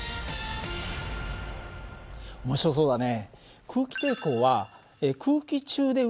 面白そうだね。